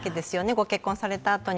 ご結婚されたあとに。